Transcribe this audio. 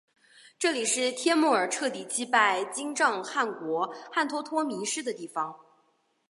这里是帖木儿彻底击败金帐汗国汗脱脱迷失的地方。